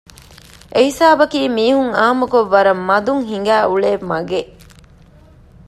އެހިސާބަކީ މީހުން އާންމުކޮށް ވަރަށް މަދުން ހިނގައި އުޅޭ މަގެއް